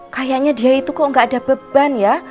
kayaknya dia itu kok gak ada beban ya